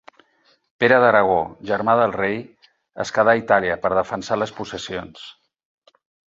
Pere d'Aragó, germà del rei, es quedà a Itàlia per defensar les possessions.